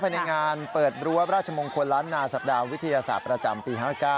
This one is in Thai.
ภายในงานเปิดรั้วราชมงคลล้านนาสัปดาห์วิทยาศาสตร์ประจำปี๕๙